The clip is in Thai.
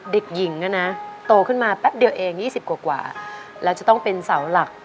เด็กหญิงนะนะโตขึ้นมาแป๊บเดียวเอง๒๐กว่าแล้วจะต้องเป็นเสาหลัก